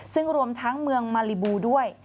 ซึ่งรวมทั้งเมืองมาริบูด้วย